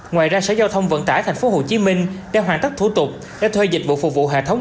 ngoài ra sở giao thông vận tải tp hcm đã hoàn tất thủ tục để thuê dịch vụ phục vụ hệ thống